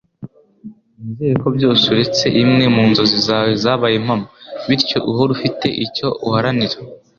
Nizere ko byose uretse imwe mu nzozi zawe zabaye impamo, bityo uhora ufite icyo uharanira.